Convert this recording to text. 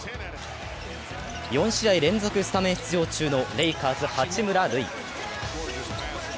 ４試合連続スタメン出場中のレイカーズ・八村塁。